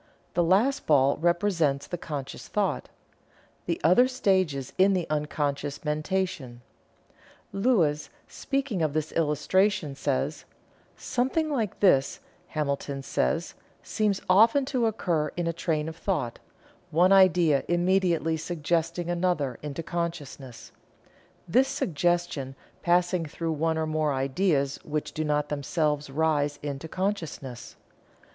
The last ball represents the conscious thought the other stages in the unconscious mentation. Lewes, speaking of this illustration, says: "Something like this, Hamilton says, seems often to occur in a train of thought, one idea immediately suggesting another into consciousness this suggestion passing through one or more ideas which do not themselves rise into consciousness.